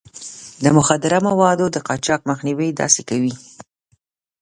د مخدره موادو د قاچاق مخنيوی داسې کوي.